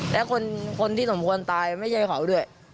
และคนที่สมควรตายไม่ใช่เขาด้วย